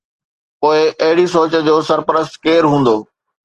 پوءِ اهڙي سوچ جو سرپرست ڪير هوندو؟